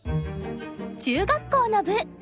中学校の部。